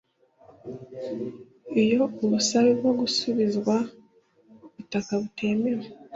iyo ubusabe bwo gusubizwa ubutaka butemewe